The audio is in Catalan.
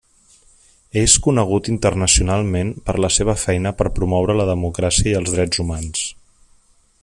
És conegut internacionalment per la seva feina per promoure la democràcia i els drets humans.